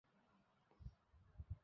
সে একমনে আশা করিত, এই রূপই যেন হয়।